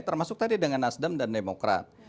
termasuk tadi dengan nasdem dan demokrat